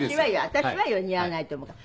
「私はよ似合わないと思うから。